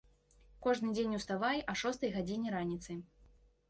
Кожны дзень уставай а шостай гадзіне раніцы.